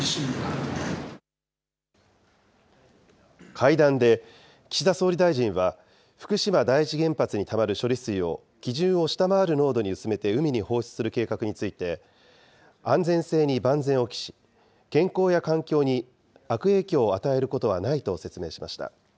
会談で岸田総理大臣は、福島第一原発にたまる処理水を、基準を下回る濃度に薄めて海に放出する計画について、安全性に万全を期し、健康や環境に悪影響を与えることはないと説明しました。